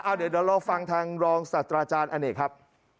อ้าวเดี๋ยวเราลองฟังทางลองทรัชราชาญอเนกครับ